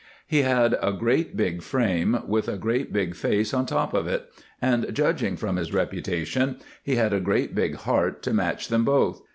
He had a great big frame, with a great big face on top of it, and, judging from his reputation, he had a great big heart to match them both.